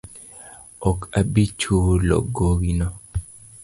Ok abi chulo gowi no